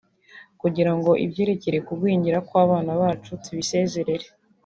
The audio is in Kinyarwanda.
kugira ngo ibyerekeye kugwingira kw’abana bacu tubisezerere”